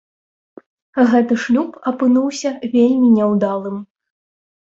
Гэты шлюб апынуўся вельмі няўдалым.